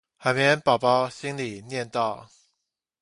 海綿寶寶心裡念道